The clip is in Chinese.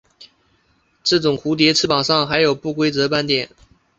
这种蝴蝶翅膀上的还有不规则斑点。